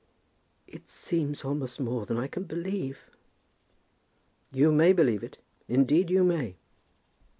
"It seems almost more than I can believe." "You may believe it; indeed you may."